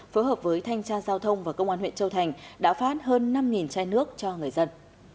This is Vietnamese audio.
phối hợp với thanh tra giao thông và công an huyện châu thành đã phát hơn năm chai nước cho người dân